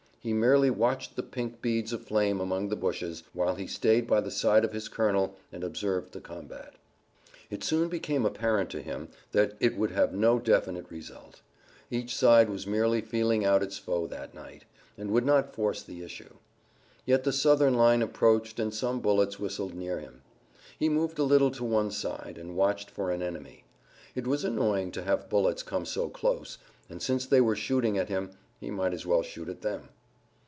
He merely watched the pink beads of flame among the bushes, while he stayed by the side of his colonel and observed the combat. It soon became apparent to him that it would have no definite result. Each side was merely feeling out its foe that night, and would not force the issue. Yet the Southern line approached and some bullets whistled near him. He moved a little to one side, and watched for an enemy. It was annoying to have bullets come so close, and since they were shooting at him he might as well shoot at them.